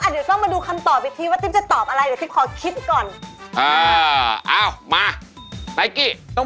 เดี๋ยวต้องมาดูคำตอบอีกทีว่าติ๊บจะตอบอะไรเดี๋ยวติ๊บขอคิดก่อน